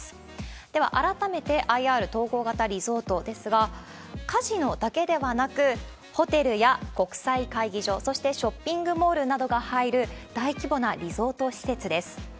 では改めてＩＲ・統合型リゾートですが、カジノだけではなく、ホテルや国際会議場、そしてショッピングモールなどが入る大規模なリゾート施設です。